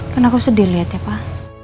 kan aku sedih lihat ya pak